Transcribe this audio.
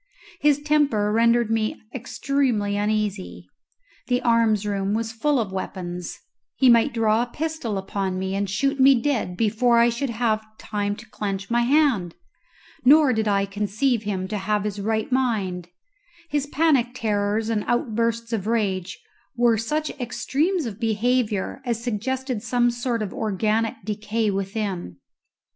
His temper rendered me extremely uneasy. The arms room was full of weapons; he might draw a pistol upon me and shoot me dead before I should have time to clench my hand. Nor did I conceive him to have his right mind. His panic terrors and outbursts of rage were such extremes of behaviour as suggested some sort of organic decay within.